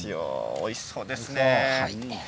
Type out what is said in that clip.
おいしそうですね。